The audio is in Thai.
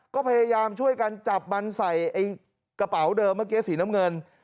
ก็พยายามช่วยกันจับมันใส่ไอ้กระเป๋าเดิมเมื่อกี้สีน้ำเงิน